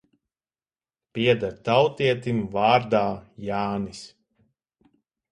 Pieder tautietim vārdā Jānis.